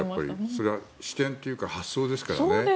それは視点というか発想ですからね。